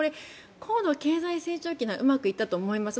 高度経済成長期にはうまくいったと思います。